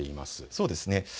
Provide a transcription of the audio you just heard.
そうですね。